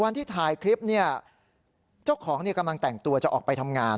วันที่ถ่ายคลิปเนี่ยเจ้าของกำลังแต่งตัวจะออกไปทำงาน